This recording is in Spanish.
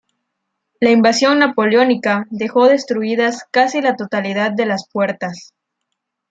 La invasión napoleónica dejó destruidas casi la totalidad de las puertas.